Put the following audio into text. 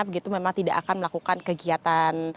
begitu memang tidak akan melakukan kegiatan